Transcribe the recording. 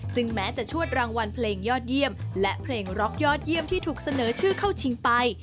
ซึ่งแม้จะชวดรางวัลเพลงยอดเยี่ยมและเพลงร็อกยอดเยี่ยมที่ถูกเสนอชื่อเข้าชิงไป